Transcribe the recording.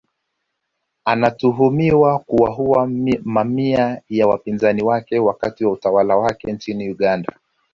Anatuhumiwa kuwaua mamia ya wapinzani wake wakati wa utawala wake nchini Uganda